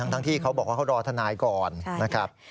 ทั้งที่เขาบอกว่าเขารอทนายก่อนนะครับ